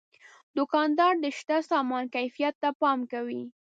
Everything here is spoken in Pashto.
دوکاندار د شته سامان کیفیت ته پام کوي.